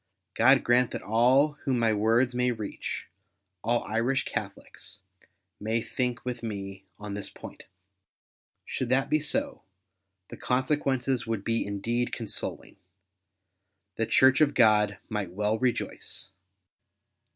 God grant that all whom my words may reach — all Irish Catholics — may think with me on this point. Should that be so the consequences would be indeed consoling. The Church of God might well rejoice.